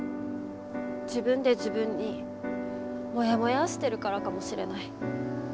自分で自分にもやもやーしてるからかもしれない。